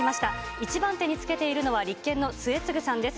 １番手につけているのは、立憲の末次さんです。